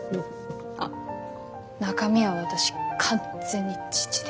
あっ中身は私完全に父で。